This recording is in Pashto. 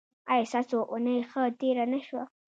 ایا ستاسو اونۍ ښه تیره نه شوه؟